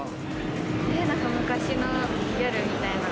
なんか昔のギャルみたいな。